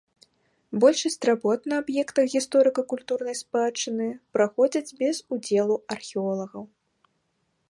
Большасць работ на аб'ектах гісторыка-культурнай спадчыны праходзяць без удзелу археолагаў.